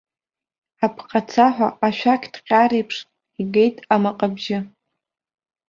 Апҟацаҳәа ашәақьҭҟьареиԥш игеит амаҟабжьы.